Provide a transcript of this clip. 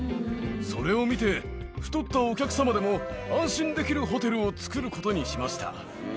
それを見て、太ったお客様でも安心できるホテルを作ることにしました。